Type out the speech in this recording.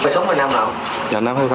cây súng là năm nào